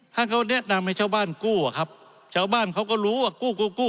ให้เขาแนะนำให้ชาวบ้านกู้อะครับชาวบ้านเขาก็รู้ว่ากู้กู้